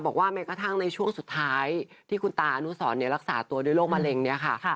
บอกว่าแม้กระทั่งในช่วงสุดท้ายที่คุณตานุสอนเนี่ยรักษาตัวโรคมะเร็งเนี่ยค่ะ